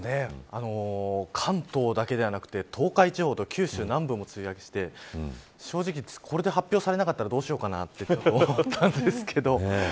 関東だけではなくて東海地方と九州南部も梅雨明けして正直、これで発表されなかったらどうしようかなと思ったんですけど。